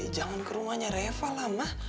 jangan ke rumahnya reva lah ma